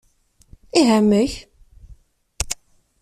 Ihi amek?